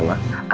terima kasih ma